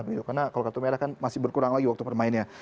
karena kalau kartu merah kan masih berkurang lagi waktu permainnya